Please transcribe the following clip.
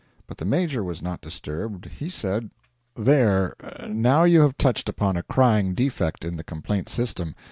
But the Major was not disturbed. He said: 'There now you have touched upon a crying defect in the complaint system.